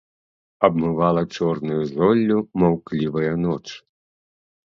Абмывала чорнаю золлю маўклівая ноч.